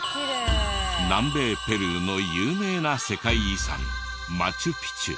南米ペルーの有名な世界遺産マチュピチュ。